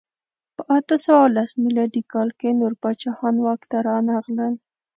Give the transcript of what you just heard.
په اته سوه لس میلادي کال کې نور پاچاهان واک ته رانغلل.